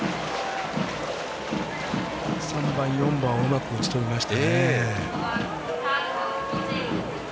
３番、４番をうまく打ち取りました。